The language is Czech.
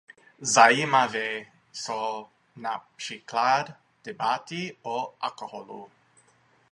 Zajímavé jsou například debaty o alkoholu.